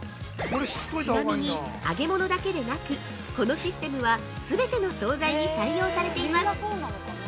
◆ちなみに、揚げ物だけでなくこのシステムは、すべての総菜に採用されています。